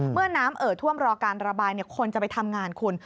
เมื่อน้ำเอ่อท่วมรอการระบายคนจะไปทำงานคุณ